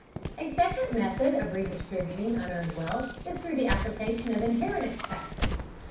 A second method of redistributing unearned wealth is through the application of inheritance taxes.